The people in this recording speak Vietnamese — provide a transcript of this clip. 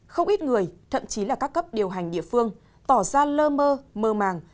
không ít người thậm chí là các cấp điều hành địa phương tỏ ra lơ mơ mơ màng